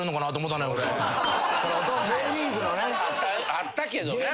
あったけどな。